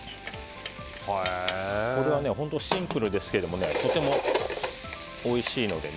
これはシンプルですけどとてもおいしいのでね。